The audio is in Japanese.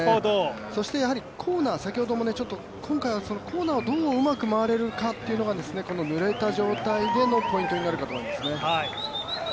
そしてコーナー、今回はコーナーをどううまく回れるかというのがこのぬれた状態でのポイントになるかと思いますね。